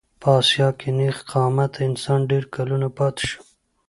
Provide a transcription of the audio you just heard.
په اسیا کې نېغ قامته انسان ډېر کلونه پاتې شو.